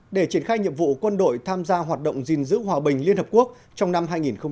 để triển khai nhiệm vụ quân đội tham gia hoạt động dình giữ hòa bình liên hợp quốc trong năm hai nghìn một mươi bảy